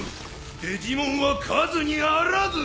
デジモンは数にあらず。